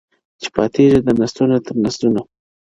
چي پاتېږي له نسلونو تر نسلونو--!